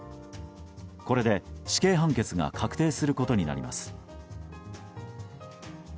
これで、死刑判決が確定することになります。